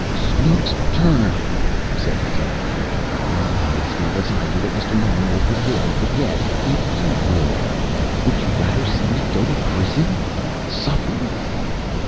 "Snooks Turner!" said his aunt. "You know as well as I do that Mr. Mullen will forgive and forget, if you will. Would you rather see me go to prison suffer?"